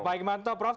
ya baik mantap prof